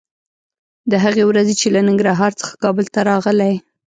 د هغې ورځې چې له ننګرهار څخه کابل ته راغلې